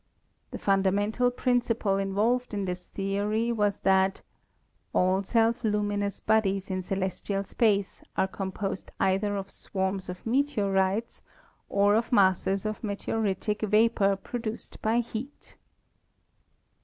The fundamental principle involved in this theory was that "all self luminous bodies in celestial space are composed either of swarms of meteorites or of masses of meteoritic vapor produced by heat."